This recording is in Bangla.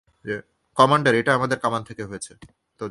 কমান্ডার, এটা আমাদের কামান থেকে হয়েছে।